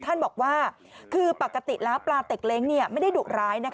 ท่านบอกว่าคือปกติแล้วปลาเต็กเล้งไม่ได้ดุร้าย